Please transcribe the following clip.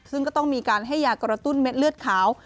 ซึ่งก็ต้องมีการให้ยากระตุ้นเม็ดเลือดขาว